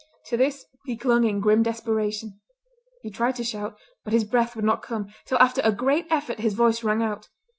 To this he clung in grim desperation. He tried to shout, but his breath would not come, till after a great effort his voice rang out.